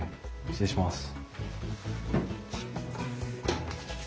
失礼します。